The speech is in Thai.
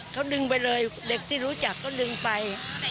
เขาดึงไปเลยเด็กที่รู้จักก็ดึงไป